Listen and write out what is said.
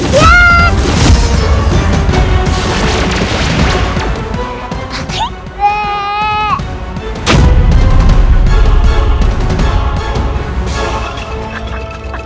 jurus cermin pembalik tenaga dalam